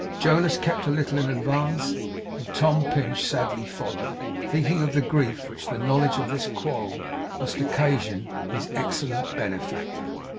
Jonas kept a little in advance, and Tom Pinch sadly followed, thinking of the grief which the knowledge of this quarrel must occasion his excellent benefactor.